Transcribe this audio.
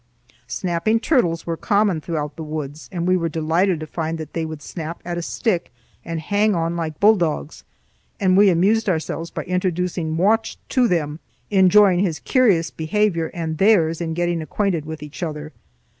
Snapping turtles were common throughout the woods, and we were delighted to find that they would snap at a stick and hang on like bull dogs; and we amused ourselves by introducing Watch to them, enjoying his curious behavior and theirs in getting acquainted with each other.